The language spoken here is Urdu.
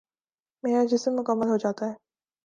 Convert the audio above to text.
میرا جسم مکمل ہو جاتا ہے ۔